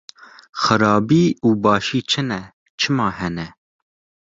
Xerabî û başî çi ne û çima hene?